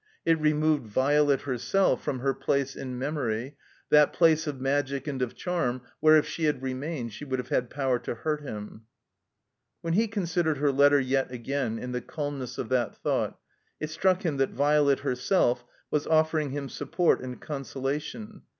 It removed Violet herself from her place in memory, that place of magic and of charm where if she had remained she would have had power to hurt him. When he considered her letter yet again in the calmness of that thought, it struck him that Violet herself was offering him support and consolation.